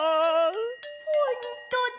ほんとだ！